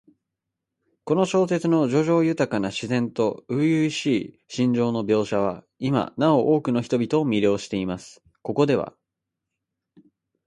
この小説の叙情豊かな自然と初々しい心情の描写は、今なお多くの人々を魅了しています。ここでは、